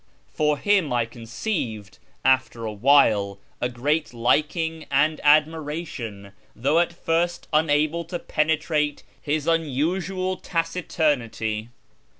For him I conceived, after a wliile, a great liking and admiration, though at first unable to penetrate liis unusual taciturnity.